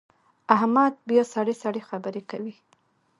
احمد بیا سړې سړې خبرې کوي.